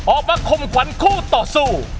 ออกมาคมขวัญคู่ต่อสู้